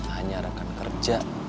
hanya rekan kerja